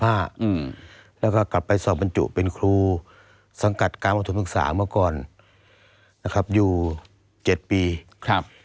ยาท่าน้ำขาวไทยนครเพราะทุกการเดินทางของคุณจะมีแต่รอยยิ้ม